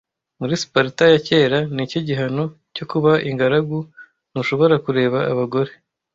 Muri Sparta ya kera niki gihano cyo kuba ingaragu Ntushobora kureba abagore